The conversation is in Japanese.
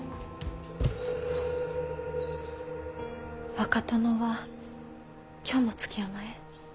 若殿は今日も築山へ？